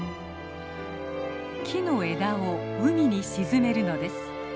木の枝を海に沈めるのです。